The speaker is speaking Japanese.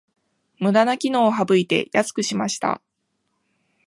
ムダな機能を省いて安くしました